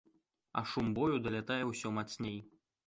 А шум бою далятае ўсё мацней.